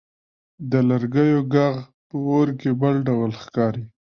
د لرګیو ږغ په اور کې بل ډول ښکاري.